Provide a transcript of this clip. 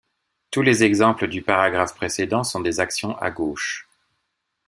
Tous les exemples du paragraphe précédent sont des actions à gauche.